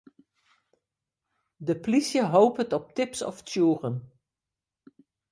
De polysje hopet op tips of tsjûgen.